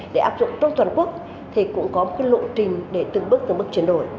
để áp dụng trong toàn quốc thì cũng có một lộ trình để từng bước chuyển đổi